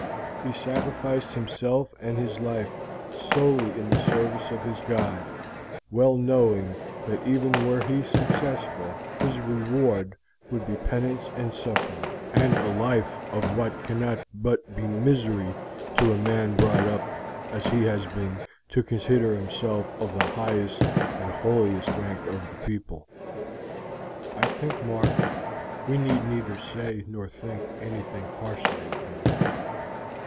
He sacrificed himself and his life solely to the service of his god, well knowing that even were he successful, his reward would be penance and suffering, and a life of what cannot but be misery to a man brought up, as he has been, to consider himself of the highest and holiest rank of the people. I think, Mark, we need neither say nor think anything harshly of him."